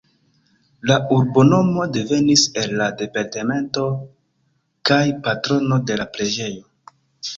La urbonomo devenis el la departemento kaj patrono de la preĝejo.